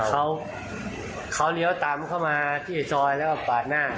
เขาเขาเลี้ยวตามเข้ามาที่ซอยแล้วก็ปาดหน้า